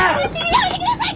やめてください！